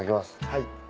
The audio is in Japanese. はい。